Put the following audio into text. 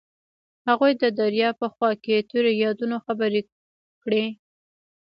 هغوی د دریا په خوا کې تیرو یادونو خبرې کړې.